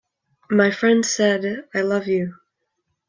My friend said: "I love you.